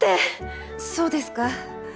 そうですか。